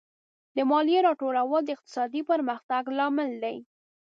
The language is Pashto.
د مالیې راټولول د اقتصادي پرمختګ لامل دی.